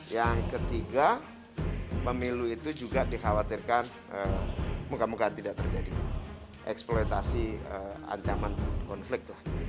yang ketiga pemilu itu juga dikhawatirkan moga moga tidak terjadi eksploitasi ancaman konflik